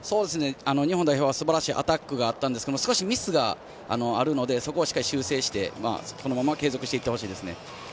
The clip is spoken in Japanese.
日本代表すばらしいアタックがありましたが少しミスがあるのでそこはしっかり修正してこのまま継続していってほしいですね。